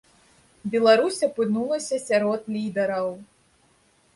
Беларусь апынулася сярод лідараў.